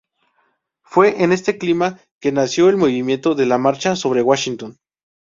Fue en este clima que nació el Movimiento de la Marcha sobre Washington.